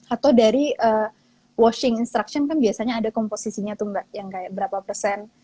atau dari washing instruction kan biasanya ada komposisinya tuh mbak yang kayak berapa persen